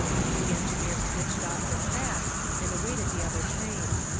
The engineer switched off the track, and awaited the other train.